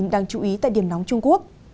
đang chú ý tại điểm nóng trung quốc